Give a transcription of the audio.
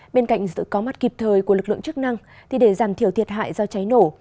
bên cạnh sự có mắt kịp thời của lực lượng chức năng thì để giảm thiểu thiệt hại do cháy nổ